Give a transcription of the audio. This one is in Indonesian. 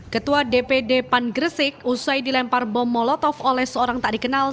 ketua dpd pan gresik usai dilempar bom molotov oleh seorang tak dikenal